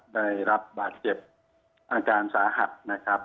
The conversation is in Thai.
ได้รับบาดเจ็บอาการสาหัสนะครับ